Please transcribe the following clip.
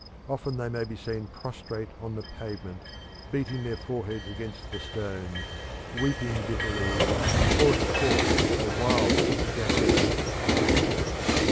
Often they may be seen prostrate on the pavement, beating their foreheads against the stones, weeping bitterly, and pouring forth the wildest ejaculations.